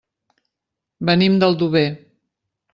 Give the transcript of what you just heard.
Venim d'Aldover.